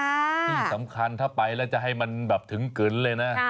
ที่สำคัญถ้าไปแล้วจะให้มันแบบถึงกึนเลยนะ